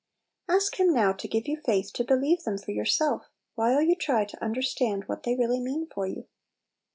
Ask Him now to give you faith to be lieve them for yourself, while you try to understand what they really mean for you.